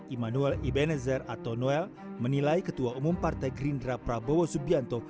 emmanuel ebenezer atau noel menilai ketua umum partai gerindra prabowo subianto